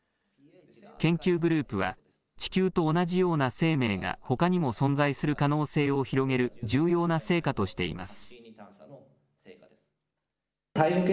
研究グループは地球と同じような生命がほかにも存在する可能性を広げる重要な成果としています。